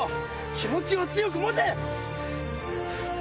気持ちを強く持て！